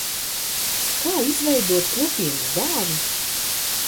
Kā izveidot kopienas dārzu?